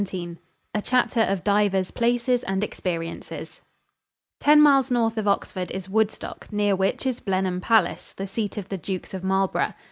XVII A CHAPTER OF DIVERS PLACES AND EXPERIENCES Ten miles north of Oxford is Woodstock, near which is Blenheim Palace, the seat of the Dukes of Marlborough.